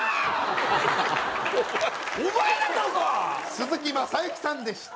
鈴木雅之さんでした。